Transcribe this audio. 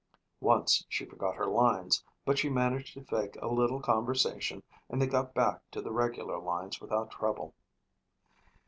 Once she forgot her lines but she managed to fake a little conversation and they got back to the regular lines without trouble.